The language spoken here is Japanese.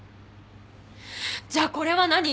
じゃあこれは何？